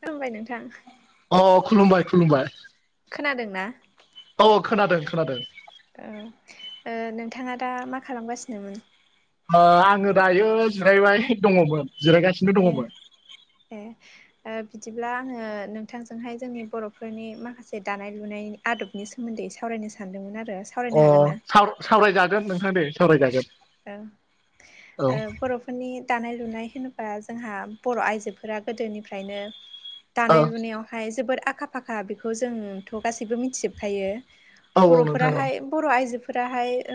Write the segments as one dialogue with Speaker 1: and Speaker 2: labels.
Speaker 1: खुलुमबाय नोंथां
Speaker 2: अ खुलुमबाय खुलुमबाय
Speaker 1: खोनादों ना
Speaker 2: औ खोनादों खोनादों
Speaker 1: औ नोंथांङा दा मा खालामगासिनोमोन?
Speaker 2: आङो दायो जिरायबाय दंङमोन जिरायगासिनो
Speaker 1: ए
Speaker 2: दंङोमोन
Speaker 1: ए बिदिब्ला आंङो नोंथांजोंहाय जोंनि बर'फोरनि माखासे दानाय लुनाय आदबनि सोमोन्दै सावरायनो सानदोंमोन आरो सावरायनो
Speaker 2: अ
Speaker 1: हागोन ना
Speaker 2: सावरायजागोन नोंथां दे सावरायजागोन
Speaker 1: ओं
Speaker 2: औ
Speaker 1: ओ बर'फोरनि दानाय लुनाय होनोबा जोंहा बर' आइजोफोरा गोदोनिफ्रायनो
Speaker 2: औ
Speaker 1: दानाय लुनायावहाय जोबोर आखा फाखा बेखौ जोंथ' गासैबो मिथिजोबखायो
Speaker 2: औ औ नोंथां औ
Speaker 1: बर'फोराहाय बर' आइजोफोराहाय ओ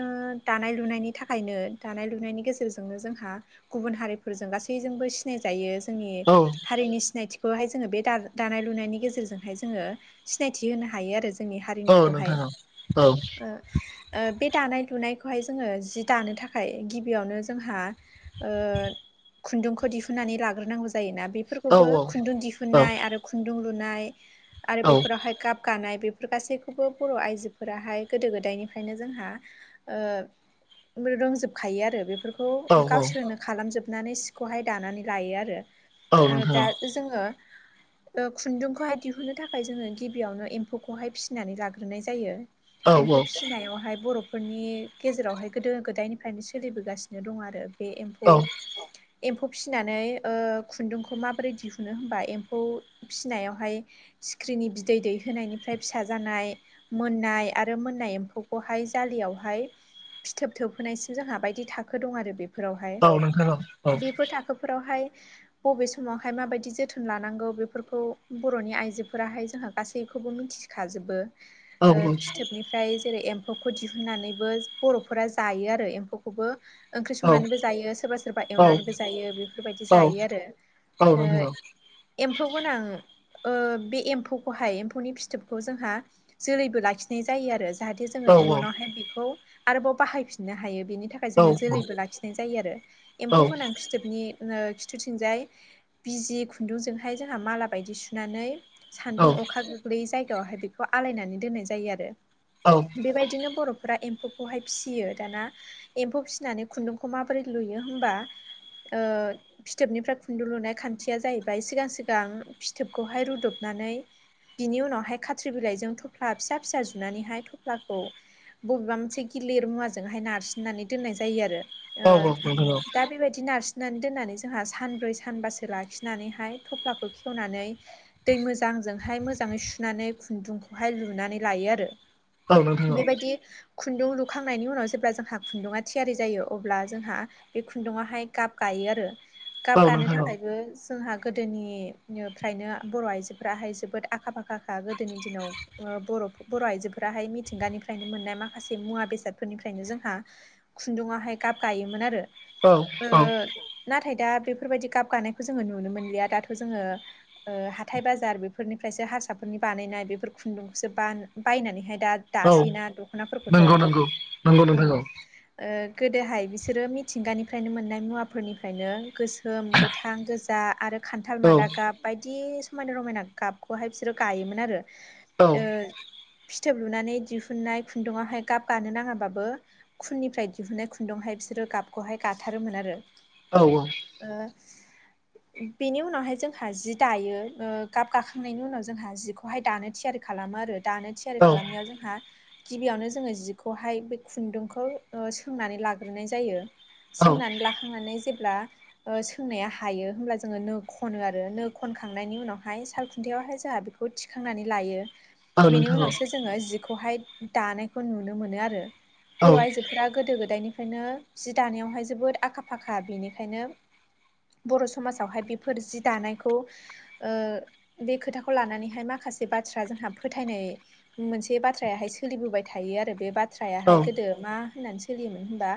Speaker 1: दानाय लुनायनि था खायनो दानाय लुनायनि गेजेरजोंनो जोंहा गुबुन हारिफोरजों गासैजोंबो सिनाय जायो जोंनि
Speaker 2: औ
Speaker 1: हारिनि सिनायथि खौहाय जोंङो बे दानाय लुनायनि गेजेरजोंहाय जोंङो सिनायथि होनो हायो आरो जोंनि
Speaker 2: औ
Speaker 1: हारिमुखौहाय
Speaker 2: नोंथां औ
Speaker 1: बे दानाय लुनायखौहाय जोंङो जि दानो थाखाय गिबियावनो जोंहा ओ खुन्दुंखौ दिहुननानै लाग्रोनांगौ जायोना।
Speaker 2: औ
Speaker 1: बेफोरखौबो खुन्दुं दिहुननाय आरो खुन्दुं लुनाय आरो
Speaker 2: औ
Speaker 1: बेफोरावहाय गाब गानाय बेफोर गासैखौबो बर' आइजोफोराहाय गोदो गोदायनिफ्रायनो जोंहा ओ रोंजोबखायो आरो बेफोरखौ
Speaker 2: औ
Speaker 1: गावसोरनो खालामजोबनानै सिखौहाय दानानै लायो
Speaker 2: औ
Speaker 1: आरो
Speaker 2: नोंथां
Speaker 1: दा जोंङो खुन्दुंखौहाय दिहुननो थाखाय जोंङो गिबियावनो एम्फौखौहाय फिसिनानै लाग्रोनाय जायो।
Speaker 2: औ नोंथां औ
Speaker 1: एम्फौ फिसिनायावहाय बर'फोरनि गेजेरावहाय गोदो गोदायनिफ्रायनो सोलिबोगासिनो दं आरो बे एम्फौ
Speaker 2: औ नोंथां औ
Speaker 1: एम्फौ फिसिनानै खुन्दुंखौ माबोरै दिहुनो होमबा एम्फौ फिसिनायावहाय सिख्रिनि बिदै दैहोनायनिफ्राय फिसा जानाय मोननाय आरो मोननाय एम्फौखौहाय जाालियावहाय फिथोब थोबहोनायसिम जोंहा बायदि थाखो दं आरो बे फोरावहाय
Speaker 2: औ नोंथां औ
Speaker 1: बेफोर थाखोफोरावहाय बबे समावहाय माबायदि जोथोन लानांगौ बेफोरखौ बर'नि आइजोफोराहाय जोंहा गासैखौबो मिथि खाजोबो ओ
Speaker 2: औ
Speaker 1: फिथोबनिफ्राय जेरै एम्फौखौ दिहुनन्नानैबो बर'फोरा जायो आरो एम्फौखौबो ओंख्रि संनानैबो जायो सोरबा सोरबा एवनानैबो जायो बेफोरबायदि जायो आरो।
Speaker 2: औ [unintelligible]
Speaker 1: एम्फौबो नाङो बे एम्फौखौहाय एम्फौनि फिथोबखौ जोंहा जोलैबो लाखिनाय जायो आरो। जाहाथे जोङो इयुनावहाय बेखौ आरोबाव बाहायफिननो हायो बेनि थाखाय। जोङो जोलैबो लाखिनाय जायो आरो एम्फौ गोनां फि थोबनि खिथुथिंजाय बिजि खुन्दुंजोंहाय जोंहा माला बायदि सुनानै सान्दुं अखा गोग्लैयै जायगायावहाय बेखौ आलायनानै दोननाय जायो आरो।
Speaker 2: औ
Speaker 1: बेबायदिनो बर'फोरा एम्फौ बेखौहाय फिसियो दाना एम्फौ फिसिनानै खुन्दुंखौ माबोरै लुयो होमबा ओ फिथोबनिफ्राय खुन्दु लुनाय खान्थिया जाहैबाय सिगां सिगां फिथोबखौहाय रुदबनानै बिनि उनावहाय खाथ्रि बिलाइजों थफ्ला फिसा फिसा जुनानैहाय थफ्लाखौ बबेबा मोनसे गिलिर मुवाजोंहाय नारसिननानै दोनाय जायो आरो
Speaker 2: औ
Speaker 1: दा बेबायदि नारसिननानै दोननानै जोंहा सानब्रै सानबासो लाखिनानैहाय थफ्लाखौ खेवनानै दै मोजांजोंहाय मोजाङै सुनानै खुन्दुंखौहाय लुनानै लायो आरो। बेबायदि खुन्दुं लु खांनायनि उनाव जेब्ला जोंहा खुन्दुङा थियारि जायो अब्ला जोंहा बे खुन्दुङावहाय गाब गायो आरो गाब गानो थाखायबो जोंहा गोदोनिफ्रायनो बर' आइजोफ्राहाय जोबोद आखा फाखाखा गोदोनि दिनाव ओ बर' आइजोफोराहाय मिथिंगानिफ्रायनो मोननाय माखासे मुवा बेसाद फोरनिफ्रायनो जोंहा खुन्दुङावहाय गाब गायोमोन आरो
Speaker 2: औ
Speaker 1: नाथाय दा बेफोरबायदि गाब गानायखौ जोङो नुनो मोनलिया दाथ' जोङो ओ हाथाय बाजार बेफोरनिफ्रायसो हारसाफोरनि बानायनाय बेफोर खुन्दुंखौसो बायनानैहाय दा
Speaker 2: औ
Speaker 1: दासैना दख'नाफोरखौथ'
Speaker 2: नंगौ नंगौ नंगौ नोंथां
Speaker 1: उम गोदोहाय बिसोरो मिथिंगानिफ्रायनो मोननाय मुवाफोरनिफ्रायनो गोसोम गोथां गोजा आरो खान्थाल
Speaker 2: औ
Speaker 1: मादा गाब बायदि समायना रमायना गाबखौहाय बिसोरो गायोमोन आरो।
Speaker 2: औ
Speaker 1: फिथोब लुनानै दिहुननाय खुन्दुङाहाय गाब गानो नाङा बाबो खुननिफ्राय दिहुनुनाय खुन्दुङावहाय बिसोरो गाबखौहाय गाथारोमोन आरो।
Speaker 2: औ औ
Speaker 1: ओ बेनि उनावहाय जोंहा जि दायो गाब गाखांनायनि उनाव जोंहा जिखौहाय दानो थियारि खालामो आरो दानो थियारि
Speaker 2: औ
Speaker 1: खालामनायाव जोंहा गिबियावनो जोंङो जिखौहाय खुन्दुंखौ सोंनानै लाग्रोनाय जायो
Speaker 2: औ
Speaker 1: सोंनानै लाखांनानै जेब्ला ओ सोंनाया हायो होनब्ला जोङो नो खनो आरो नो खनखांनायनि उनावहाय सालखुन्थायावहाय जोंहा बे खौ थिखांनानै लायो
Speaker 2: औ
Speaker 1: बेनि
Speaker 2: नोंथां औ
Speaker 1: उनावसो जोङो जिखौहाय दानायखौ नुनो मोनो आरो
Speaker 2: औ
Speaker 1: बर' आइजोफोरा गोदो गोदायनिफ्रायनो जि दानायावहाय जोबोद आखा फाखा बेनिखायनो बर' समाजावहाय बेफोर जि दानायखौ ओ बे खोथाखौ लानानैहाय माखासे बाथ्रा जोंहा फोथायनाय मोनसे बाथ्रायाहाय सोलिबोबाय थायो आरो बे
Speaker 2: औ
Speaker 1: बाथ्रायाहाय दो मा होननानै सोलियोमोन होमबा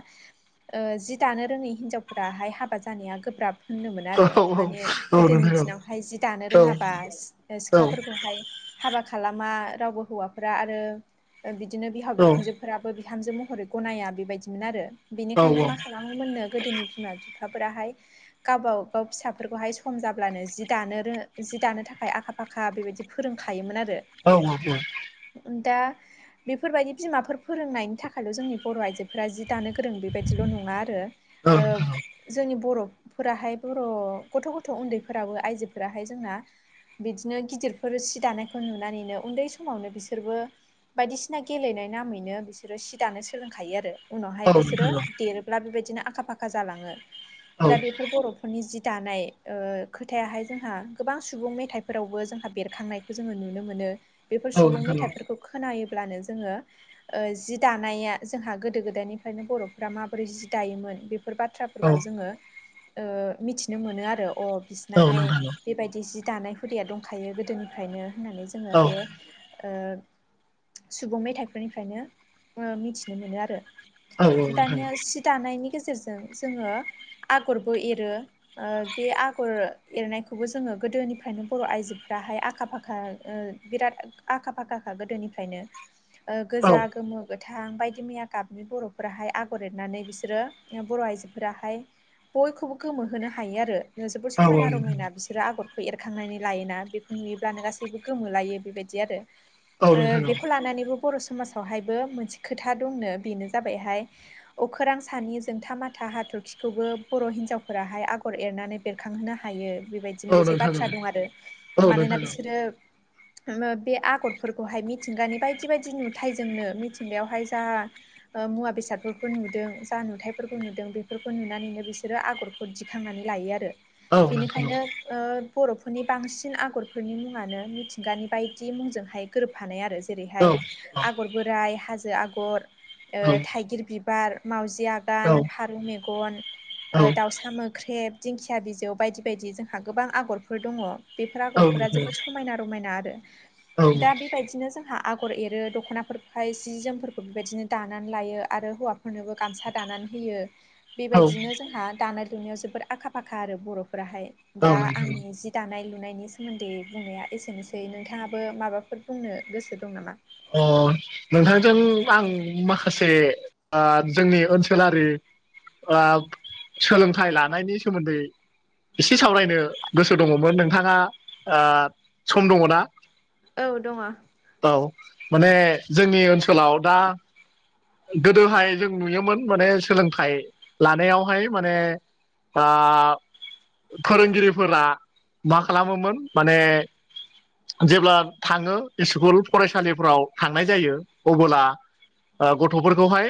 Speaker 1: ओ जि दानो रोङै हिन्जावफोराहाय हाबा जानाया गोब्राब होनदोंमोन
Speaker 2: औ
Speaker 1: आरो
Speaker 2: औ
Speaker 1: माने
Speaker 2: औ नोंथां औ नोंथां औ नोंथां औ नोंथां औ नोंथां औ नोंथां औ नोंथां औ
Speaker 1: गोदोनि
Speaker 2: नोंथां औ नोंथां औ नोंथां औ औ
Speaker 1: दिनावहाय जि दानो रोङाबा सिख्लाफोरखौहाय हाबा खालामा रावबो हौवाफोरा आरो बिदिनो बिहाव बिखुनजो बिहामजो महरै गनाया बेबायदिमोन आरो बेनिखायनो माखाला मोननो गोदोनि बिमा बिफाफोराहाय गावबा गाव फिसाफोरखौहाय सम जाब्लानो जि दानो रो जि दानो थाखाय आखा फाखा बेबायदि फोरोंखायोमोन आरो
Speaker 2: औ औ औ
Speaker 1: दा बेफोरबायदि बिमाफोर फोरोंनायनि थाखायल' जोंनि बर' आइजो फोरा जि दानो गोरों बेबायाददिल' नङा आरो जोंनि बर'फोराहाय बर' गथ' गथ' उन्दैफोराबो आइजोफोराहाय जोंना बिदिनो गिदिरफोर सि दानायखौ नुनानैनो उन्दै समावनो बिसोरबो बायदिसिना गेलेनाय नामैनो बिसोरो सि दानो सोलोंखायो आरो उनावहाय बिसोरो
Speaker 2: नोंथां
Speaker 1: देर बेबायदिनो आखा फाखा जालाङो
Speaker 2: औ औ नोंथां
Speaker 1: दा बेफोर बर' नखरनि जि दानाय खोथायाहाय जोंहा गोबां सुबुं मेथाइफोरावबो जोंहा बेरखांनाय जोङो नुनो मोनो बेफोर
Speaker 2: औ
Speaker 1: सुबुं मेथाइफोरखौ खोनायोब्लानो जोङो जि दानाया जोंहा गोदो गोदायनिफ्रायनो बर'फ्रा माबोरै जि दायोमोन बेफोर फोर बाथ्राफोरखौ जोङो मिथिनो मोनो आरो अ बिसिनाहाय बेबायदि दानाय हुदाया दंखायो गोदोनिफ्रायनो होननानै जोङो बे ओ सुबुं मेथाइफोरनिफ्रायनो मिथिनो मोनो आरो दानिया सि दानायनि गेजेरजों जोङो आगरबो एरो ओ बे आगर एरनायखौबो जोङो गोदोनिफ्रायनो बर' आइजोफ्राहाय आखा फाखा बिराद आखा फाखाखा गोदोनिफ्रायनो गोजा गोमो गोथां बायदि मैया गाबनि बर'फोराहाय आगर एरनानै बिसोरो बर' आइजोफोराहाय बयखौबो गोमोहोनो हायो आरो जोबोद समायना रमायना बिसोर बिसोरो आगरखौ एरखांनानै लायोना बेखौ नुयोब्लानो गासैबो गोमोलायो बेबायदि आरो ओ बेखौ लानानैबो बर' समाजावहायबो मोनसे खोथा दंनो बेनो जाबायहाय अखोरां सानि जोंथा माथा हाथरखिखौबो बर' हिनजावफोराहाय आगर एरनानै बेरखांहोनो हायो बेबायदि मोनसे बाथ्रा दं आरो मानोना बिसोरो बे आगरफोरखौहाय मिथिंगानि बायदि बायदि नुथायजोंनो मिथिंगायावहाय जा ओ मुवा बेसादफोरखौ नुदों जा नुथायाइफोरखौ नुदों बेफोरखौ नुनानैनो बिसोरो आगर दिखांनानै लायो आरो बेनिखायनो ओ बर'फोरनि बांसिन आगरफोरनि मुङानो मिथिंगानि बायदि मुंजोंहाय गोरोबफानाय आरो जेरैहाय आगर बोराइ हाजो आगर थाइगिर बिबार मावउजि आगर बागान फारौ मेगन दाउसा मो ख्रेब दिंखिया बिजौ बायदि बायदि जोंहा गोबां आगरफोर दङ बेफोर आगरफोरा जोबोद सम समायना रमायना आरो दा बेबायदिनो जोंहा आगर एरो दख दख'नाफोरखौहाय जि जोमफोरखौ बेबायदिनो दानानै लायो आरो हौवाफोरनोबो गामसा दानानै होयो बेबायदिनो जोंहा दानाय लुनायाव जोबोर आखा फाखा आरो बर'फोराहाय दा
Speaker 2: औ नोंथां
Speaker 1: आंनि जि दानाय लुनायनि सोमोन्दै बुंनाया एसेनोसै नोंथाङाबो माबाफोर बुंनो गोसो दं नामा
Speaker 2: अ नोंथांजों आं माखासे आ जोंनि ओनसोलारि आ सोलोंथाइ लानायनि सोमोन्दै एसे सावरायनो गोसो दङमोन नोंथाङा आ सम दङना
Speaker 1: औ दङ
Speaker 2: औ माने जोंनि ओनसोलाव दा गोदोहाय जों नुयोमोन माने सोलोंथाइ लानायावहाय माने आ फोरोंगिरिफोरा मा खालामोमोन माने जेब्ला थाङो स्कुल फरायसालिफ्राव थांनाय जायो अबोला गथ'फोरखौहाय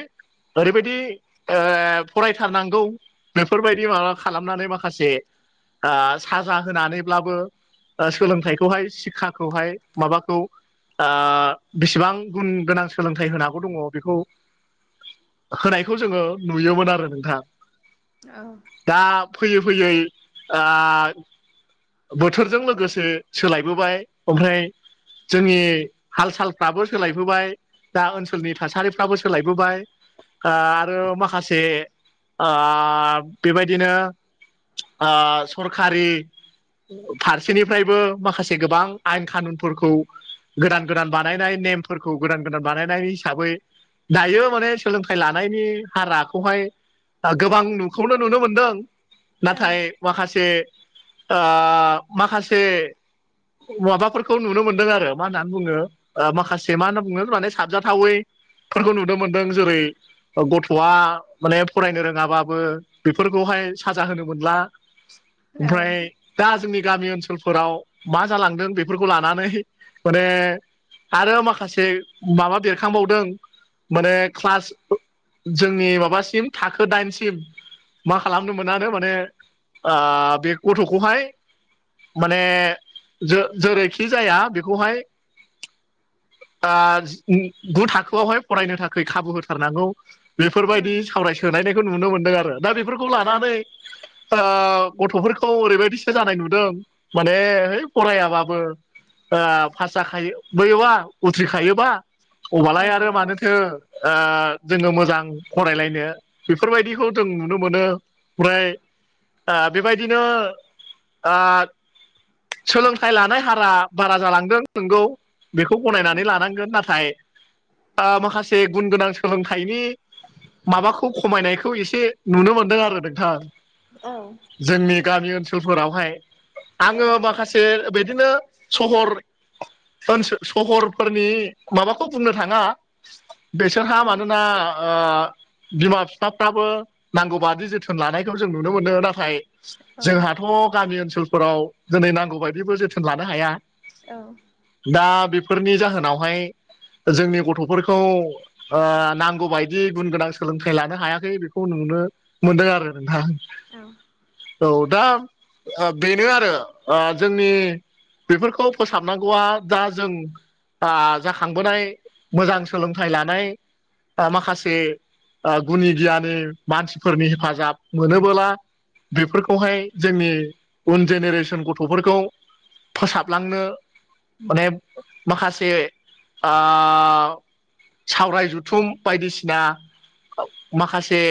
Speaker 2: ओरैबायदि ओ फरायथारनांगौ बेफोरबायदि माबा खालामनानै माखासे आ साजा होनानैब्लाबो ओ सोलोंथाइखौहाय सिक्षाखौहाय माबाखौ आ बेसेबां गुन गोनां सोलोंथाइ होनांगौ दङ बेखौ होनायखौ जोङो नुयोमोन आरो नोंथां
Speaker 1: औ
Speaker 2: दा फैयै फैयै आ बोथोरजों लोगोसे सोलायबोबाय ओमफ्राय जोंनि हाल सालफ्राबो सोलायबोबाय दा ओनसोलनि थासारिफ्राबो सोलायबोबाय आ आरो माखासे आ बेबायदिनो आ सरखारि फारसेनिफ्रायबो माखासे गोबां आयेन खानुनफोरखौ गोदान गोदान बानायनाय नेमफोरखौ गोदान गोदान बानायनाय हिसाबै दायो माने सोलोंथाइ लानायनि हाराखौहाय गोबां नुखौनो नुनो मोनदों नाथाय माखासे आ माखासे माबाफोरखौ नुनो मोनदों आरो मा होननानै बुङो माखासे मा होनना बुंङोने साबजाथावैफोरखौ नुनो मोन्दों जेरै गथ'आ माने फरायनो रोङाबाबो बेफोरखौहाय साजा होनो मोनला
Speaker 1: [inaudible]
Speaker 2: ओमफ्राय दा जोंनि गामि ओनसोलफोराव मा जालांदों बेफोरखौ लानानै माने आरो माखासे माबा बेरखांबावदों माने क्लास जोंनि माबासिम थाखो दाइनसिम मा खालामनो मोनानो माने आ बे गथ' खौहाय माने जो जेरैखि जाया बेखौहाय आ गु थाखोआवहाय फरायनो थाखाय खाबु होथारनांगौ
Speaker 1: औ
Speaker 2: बेफोरबायदि सावरायसोनायनायखौ नुनो मोन्दों आरो दा बेफोरखौ
Speaker 1: औ
Speaker 2: लानानै ओ गथ'फोरखौ ओरैबायदिसो जानाय नुदों माने है फरायाबाबो आ फास जाखायो बैयोबा उथ्रिखायोबा अबालाय
Speaker 1: औ
Speaker 2: आरो मानोथो ओ जोङो मोजां फरायलायनो बेफोरबायदिखौ जों नुनो मोनो ओमफ्राय आ बेबायदिनो सोलोंथाइ लानाय हारा बारा जालांदों नंगौ बेखौ गनायनानै लानांगोन नाथाय माखासे गुन गोनां सोलोंथाइनि माबाखौ खमायनायखौ एसे नुनो मोनदों आरो नोंथां
Speaker 1: औ
Speaker 2: जोंनि गामि ओनसोलफोरावहाय आङो माखा से बिदिनो सहर ओनसो सहरफोरनि माबाखौ बुंनो थाङा बेसोरहा मानोना बिमा बिफाफ्राबो नांगौ बादि जोथोन लानायखौ जों नुनो मोनो नाथायबा जोंहाथ' गामि ओनसोलफोराव दिनै नांगौबायदिबो जोथोन लानो हाया
Speaker 1: औ।
Speaker 2: दा बेफोरनि जाहोनावहाय जोंनि गथ'फोरखौ नांगौ बायदि गुन गोनां सोलोंथाइ लानो हायाखै बेखौ नुनो मोन्दों आरो नोंथां। औ दायो बेनो आरो जोंनि बेफोरखौ फोसाबनांगौआ दा जोंङो जाखांबोनाय मोजां सोलोंथाइ लानाय माखासे गुनि गियानि मानसिफोरनि हेफाजाब मोनोबोलाथ' बेफोरखौहाय जोंनि उन जेनेरेसन गथ'फोरखौ फोसाबलांनो। माने माखासे आ सावराय जथुम बायदिसिना माखासे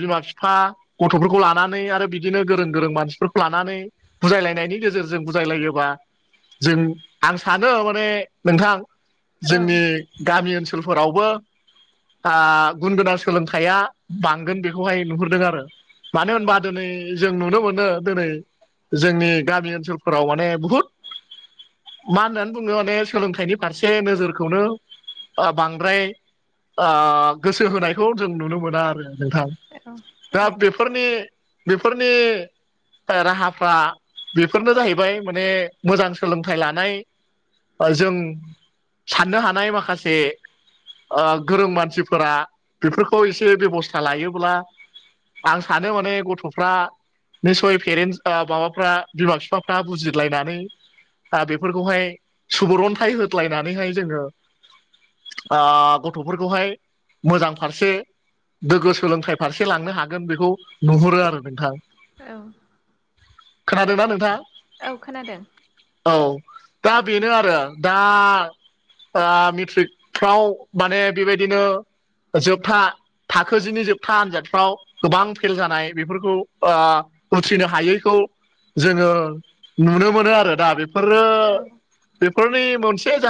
Speaker 2: बिमा बिफा गथ'फोरखौ लानानै आरो। बिदिनो गोरों गोरों मानसिफोरखौ लानानै बुजायलायनायनि गेजेरजों बुजायलायोबाथ जों आं सानो माने नोंथां जोंनि गामि ओनसोलफोरावबो गुन गोनां सोलोंथाइया बांगोन बेखौहाय नुहुरदों आरो मानो होनबा दिनै जों नुनो मोनो दिनै जोंनि गामि ओनसोलफोराव माने बुहुदाव मा होननानै बुङो माने सोलोंथाइनि फारसे नोजोरखौनो बांद्राय गोसो होनायखौ जों नुनो मोना आरो नोंथां
Speaker 1: औ
Speaker 2: दा बेफोरनि बेफोरनिया राहाफ्रा बेफोरनो जाहैबाय माने मोजां सोलोंथाइ लानाया जों साननो हानाय माखासे गोरों मानसिफोरा बेफोरखौ एसे बेबस्था लायोब्ला आं सानो माने फ्रा निस्सय पेरेन्टस माबाफ्रा बिमा बिफाफ्रा बुजिलायनानै। दा बेफोरखौहाय सुबुरून्थाइ होदलायनानैहाय जोङो गथ'फोरखौहाय मोजां फारसे गोगो सोलोंथाइ फारसे लांनो हागोन बेखौ नुहुरो आरो नोंथां।
Speaker 1: औ।
Speaker 2: खोनादोंना नोंथां।
Speaker 1: औ खोनादों।
Speaker 2: औ दा बेनो आरो दा मेट्रिकफ्राव माने बेबादिनो जोबथा थाखो जिनि जोबथा आनजादफ्राव गोबां फेल जानाय बेफोर उथ्रिनो हायैखौ जोङो नुनो मोनो आरो ना बे फोरो
Speaker 1: औ
Speaker 2: बेफोरनि मोनसे जा